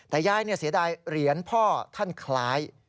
แต่ยายเสียดายเหรียญพ่อท่านคล้าย